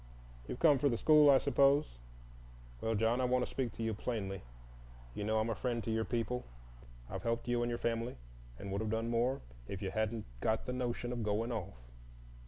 "You've come for the school, I suppose. Well John, I want to speak to you plainly. You know I'm a friend to your people. I've helped you and your family, and would have done more if you hadn't got the notion of going off.